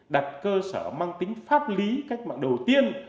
đặt cơ sở mang tính pháp lý cách mạng đầu tiên